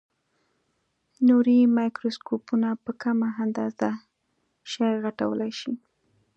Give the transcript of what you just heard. نوري مایکروسکوپونه په کمه اندازه شی غټولای شي.